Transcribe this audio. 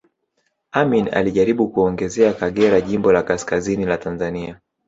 Amin alijaribu kuongezea Kagera jimbo la kaskazini la Tanzania